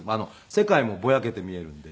世界もぼやけて見えるので。